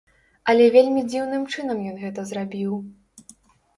Але вельмі дзіўным чынам ён гэта зрабіў.